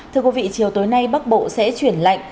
thưa quý vị chiều tối nay bắc bộ sẽ chuyển lạnh